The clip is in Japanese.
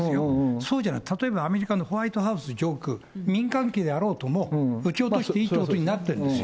そうじゃなくて、例えばアメリカのホワイトハウス上空、民間機であろうとも撃ち落としていいっていうことになってるんですよ。